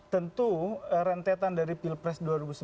tentu rentetan dari pilpres dua ribu sembilan belas